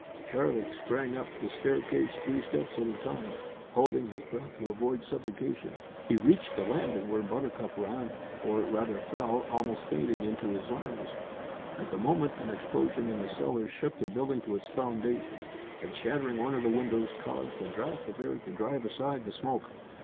Charlie sprang up the staircase three steps at a time, holding his breath to avoid suffocation. He reached the landing, where Buttercup ran, or, rather, fell, almost fainting, into his arms. At the moment an explosion in the cellar shook the building to its foundation, and, shattering one of the windows, caused a draught of air to drive aside the smoke.